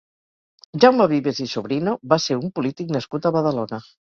Jaume Vives i Sobrino va ser un polític nascut a Badalona.